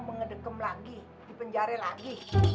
mengedekam lagi dipenjara lagi